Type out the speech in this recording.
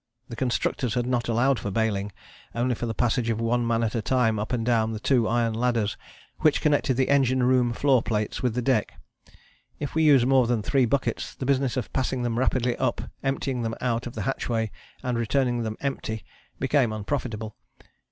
The constructors had not allowed for baling, only for the passage of one man at a time up and down the two iron ladders which connected the engine room floor plates with the deck. If we used more than three buckets the business of passing them rapidly up, emptying them out of the hatchway, and returning them empty, became unprofitable.